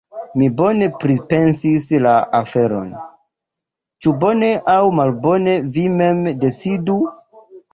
Mi bone pripensis la aferon… ĉu bone aŭ malbone vi mem decidu.